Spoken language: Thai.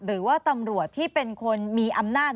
หรือว่าตำรวจที่เป็นคนมีอำนาจ